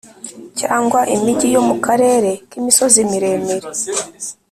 cyangwa imigi yo mu karere k’imisozi miremire,